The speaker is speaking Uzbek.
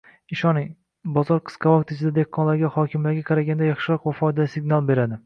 Ishoning, bozor qisqa vaqt ichida dehqonlarga hokimlarga qaraganda yaxshiroq va foydali signal beradi